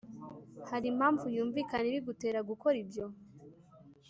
hari impamvu yumvikana ibigutera gukora ibyo